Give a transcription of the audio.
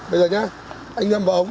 anh có chấp hành không